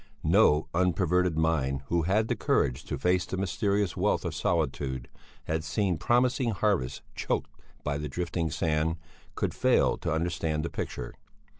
No unperverted mind who had the courage to face the mysterious wealth of solitude, had seen promising harvests choked by the drifting sand, could fail to understand the picture.